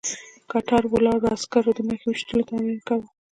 کتار ولاړو عسکرو د نښې ويشتلو تمرين کاوه.